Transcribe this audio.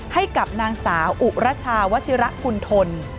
ให้กับนางสาวอุรัชวาชีรคุณฑน